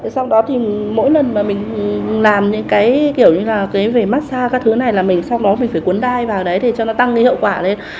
sau đó thì mỗi lần mà mình làm những cái kiểu như là thuế về massage các thứ này là mình sau đó mình phải cuốn đai vào đấy thì cho nó tăng cái hậu quả lên